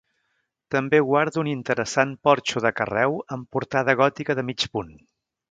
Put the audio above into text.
També guarda un interessant porxo de carreu amb portada gòtica de mig punt.